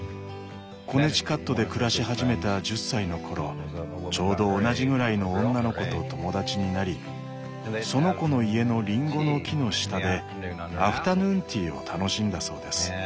コネティカットで暮らし始めた１０歳の頃ちょうど同じぐらいの女の子と友達になりその子の家のリンゴの木の下でアフタヌーンティーを楽しんだそうです。